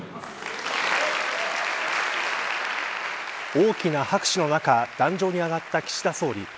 大きな拍手の中壇上に上がった岸田総理。